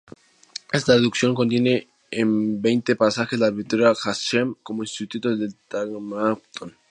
Esta traducción contiene en veinte pasajes la abreviatura "ha-Shem" como un sustituto del tetragrámaton.